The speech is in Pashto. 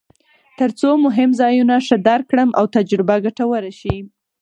ترڅو مهم ځایونه ښه درک کړم او تجربه ګټوره شي.